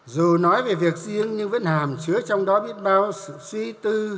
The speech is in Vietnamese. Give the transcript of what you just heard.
dù nói về việc riêng nhưng vẫn hàm chứa trong đó biết bao sự suy tư